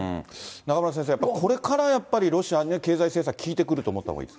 中村先生、これからやっぱり、ロシア経済制裁効いてくると思ったほうがいい？